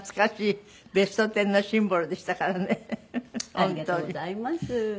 ありがとうございます。